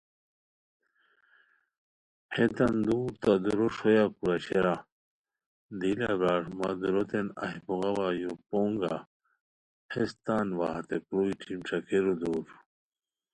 ہیتان دُور تہ دُورو ݰویا کورا شیرا؟ دی لہ برار مہ دُوروتین ایہہ بوغاوا یو پونگہ ہیس تان وا، ہتے کروئی ٹیم ݯاکئیرو دُور